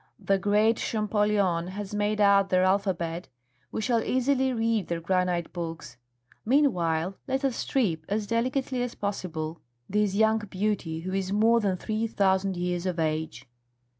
The great Champollion has made out their alphabet; we shall easily read their granite books. Meanwhile, let us strip, as delicately as possible, this young beauty who is more than three thousand years of age."